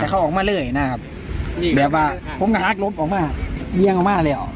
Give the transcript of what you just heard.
เขาออกมาเลยนะครับแบบว่าผมก็หักล้มออกมาเอี่ยงออกมาเลย